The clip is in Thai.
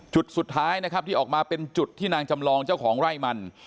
จุดสุดท้ายนะครับที่ออกมาเป็นจุดที่นางจำลองเจ้าของไร่มัน